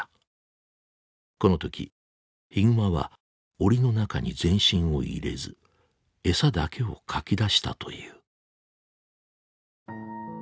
この時ヒグマはオリの中に全身を入れず餌だけをかき出したという。